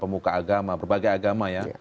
pemuka agama berbagai agama ya